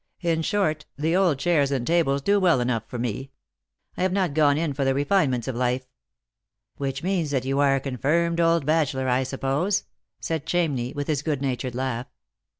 In short, the old chairs and tables do well enough for me. I have not gone in for the refinements of life." "Which means that you are a confirmed old bachelor, I suppose ?" said Chamney, with his good natured laugh.